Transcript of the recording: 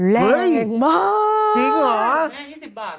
เล็งมาก